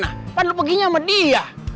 gak papa lo begini sama dia